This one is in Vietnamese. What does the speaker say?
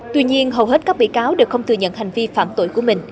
tuy nhiên hầu hết các bị cáo đều không thừa nhận hành vi phạm tội của mình